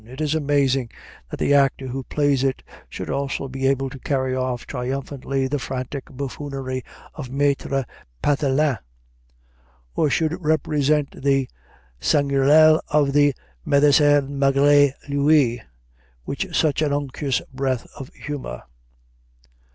It is amazing that the actor who plays it should also be able to carry off triumphantly the frantic buffoonery of Maître Pathelin, or should represent the Sganarelle of the "Médecin Malgré Lui" with such an unctuous breadth of humor.